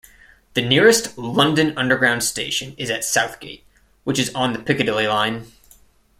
The nearest London Underground station is at Southgate, which is on the Piccadilly line.